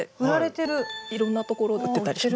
いろんなところで売ってたりします。